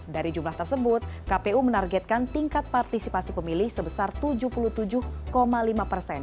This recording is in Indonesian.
dari jumlah tersebut kpu menargetkan tingkat partisipasi pemilih sebesar tujuh puluh tujuh lima persen